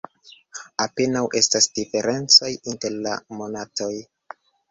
Apenaŭ estas diferencoj inter la monatoj.